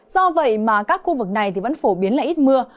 do vậy mà các khu vực này thì vẫn phổ biến là ít mưa